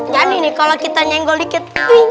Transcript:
jadi nih kalau kita nyenggol dikit